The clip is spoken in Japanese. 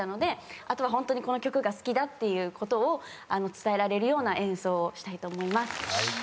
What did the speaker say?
あとはホントにこの曲が好きだっていうことを伝えられるような演奏をしたいと思います。